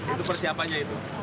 itu persiapannya itu